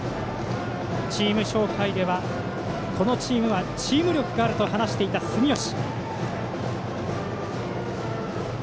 チーム紹介ではこのチームはチーム力があると話していた住吉。